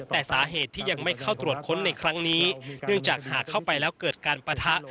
แต่สาเหตุที่ยังไม่เข้าตรวจค้นในครั้งนี้เนื่องจากหากเข้าไปแล้วเกิดการปะทะ